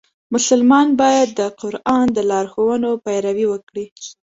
مسلمان باید د قرآن د لارښوونو پیروي وکړي.